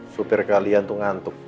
supir kalian tuh ngantuk